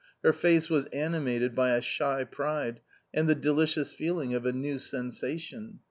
Her face was animated by a shy pride and the delicious feeling of a new sensation.